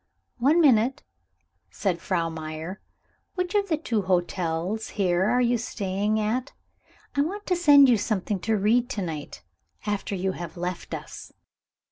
"One minute," said Frau Meyer. "Which of the two hotels here are you staying at? I want to send you something to read to night, after you have left us."